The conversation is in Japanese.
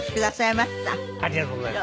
ありがとうございます。